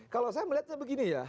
kalau saya melihatnya begini ya